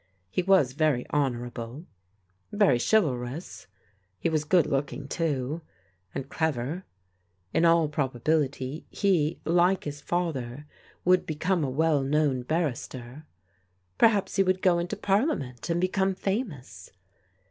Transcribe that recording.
He was very honourable, very chivalrous. He was good looking, too, and clever. In all probability he, like his father, would become a well known barrister. Per haps he would go into Parliament, and become famous.